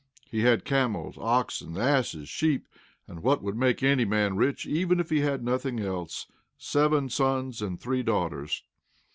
He had camels, oxen, asses, sheep, and what would make any man rich even if he had nothing else seven sons and three daughters.